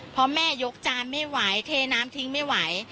เพราะแม่ยกจานไม่ไหวเทน้ำทิ้งไม่ไหว